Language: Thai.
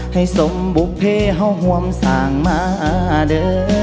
ให้สมบุภิเฮาหว่ำส่างมาเด้อ